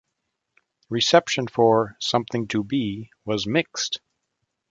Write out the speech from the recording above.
Reception for "...Something to Be" was mixed.